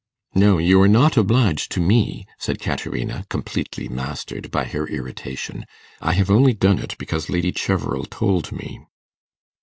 'No, you are not obliged to me,' said Caterina, completely mastered by her irritation; 'I have only done it because Lady Cheverel told me.